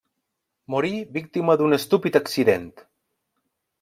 Morí víctima d'un estúpid accident.